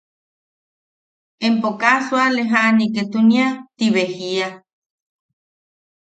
¿Empo kaa suale jaʼani ketunia ti bea jia?